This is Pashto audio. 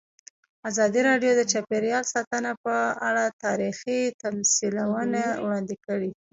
ازادي راډیو د چاپیریال ساتنه په اړه تاریخي تمثیلونه وړاندې کړي.